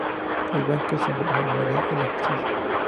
El blanco simboliza la unidad y la justicia.